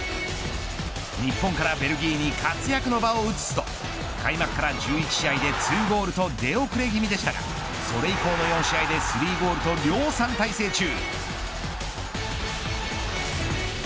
日本からベルギーに活躍の場を移すと開幕から１０試合で２ゴールと出遅れ気味でしたがそれ以降の４試合で３ゴールと量産体制中。